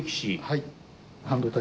はい。